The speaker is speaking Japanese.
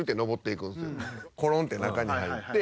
コロンって中に入って。